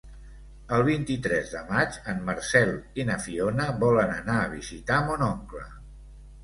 El vint-i-tres de maig en Marcel i na Fiona volen anar a visitar mon oncle.